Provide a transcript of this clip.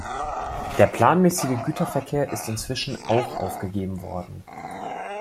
Der planmäßige Güterverkehr ist inzwischen auch aufgegeben worden.